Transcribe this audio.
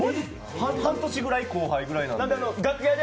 半年ぐらい後輩ぐらいなんで。